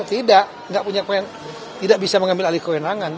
tidak tidak bisa mengambil alih kewenangan